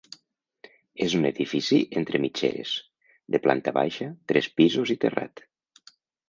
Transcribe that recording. És un edifici entre mitgeres, de planta baixa, tres pisos i terrat.